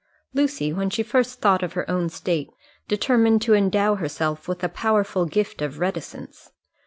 Lucy, when she first thought of her own state, determined to endow herself with a powerful gift of reticence.